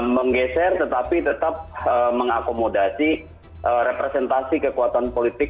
menggeser tetapi tetap mengakomodasi representasi kekuatan politik